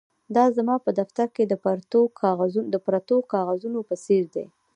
دا زما په دفتر کې د پرتو کاغذونو په څیر دي